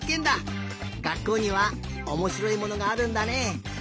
がっこうにはおもしろいものがあるんだね。